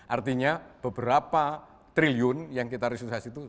artinya beberapa triliun yang kita restruksi itu